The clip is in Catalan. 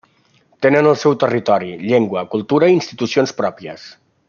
Tenen el seu territori, llengua, cultura i institucions pròpies.